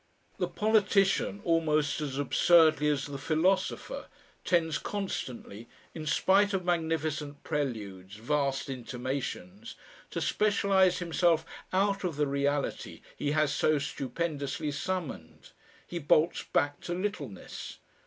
The politician, almost as absurdly as the philosopher, tends constantly, in spite of magnificent preludes, vast intimations, to specialise himself out of the reality he has so stupendously summoned he bolts back to littleness.